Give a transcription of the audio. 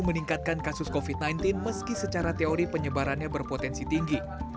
meningkatkan kasus covid sembilan belas meski secara teori penyebarannya berpotensi tinggi